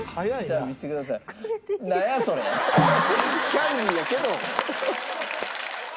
キャンディーやけど。